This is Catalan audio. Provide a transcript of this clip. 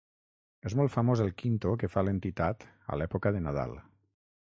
És molt famós el Quinto que fa l'entitat a l'època de Nadal.